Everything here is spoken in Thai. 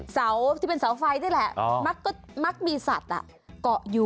เสาที่เป็นเสาไฟนี่แหละมักมีสัตว์เกาะอยู่